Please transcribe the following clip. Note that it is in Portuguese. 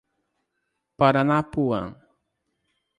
Paranapuã